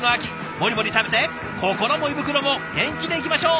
モリモリ食べて心も胃袋も元気でいきましょう。